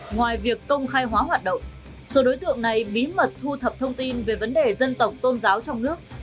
ngoài việc công khai hóa hoạt động số đối tượng này bí mật thu thập thông tin về vấn đề dân tộc tôn giáo trong nước